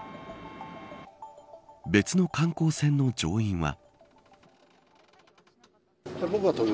別の観光船の乗員は。